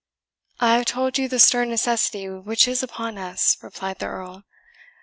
"I have told you the stern necessity which is upon us," replied the Earl.